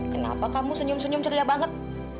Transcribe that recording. kenapa kamu senyum senyum ceria banget